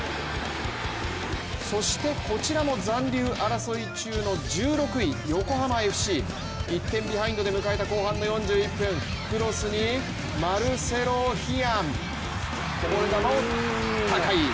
そしてこちらも残留争い中の１６位横浜ＦＣ、１点ビハインドで迎えた後半の４１分クロスにマルセロ・ヒアン、こぼれ球を高井。